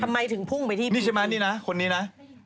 ถ้ามายถึงภูมิไปที่พีนี่ใช่ไหมเนี่ยคนนี้นะ